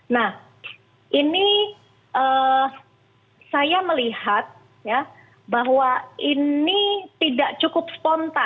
nah ini saya melihat ya bahwa ini tidak cukup spontan